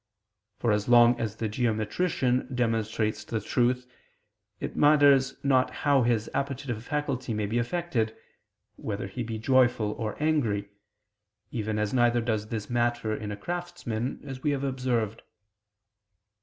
For as long as the geometrician demonstrates the truth, it matters not how his appetitive faculty may be affected, whether he be joyful or angry: even as neither does this matter in a craftsman, as we have observed.